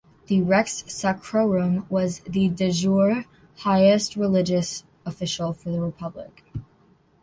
The Rex Sacrorum was the "de jure" highest religious official for the Republic.